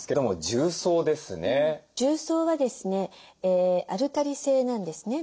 重曹はですねアルカリ性なんですね。